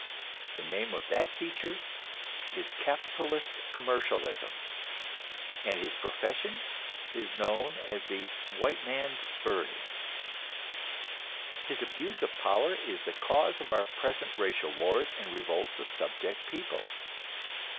The name of that teacher is capitalist commercialism, and his profession is known as "the white man's burden"; his abuse of power is the cause of our present racial wars and revolts of subject peoples.